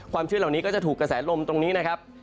ชื่นเหล่านี้ก็จะถูกกระแสลมตรงนี้นะครับ